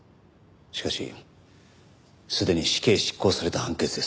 しかしすでに死刑執行された判決です。